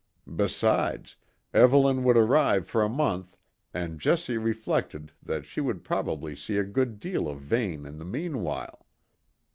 Besides, Evelyn would arrive for a month, and Jessie reflected that she would probably see a good deal of Vane in the meanwhile.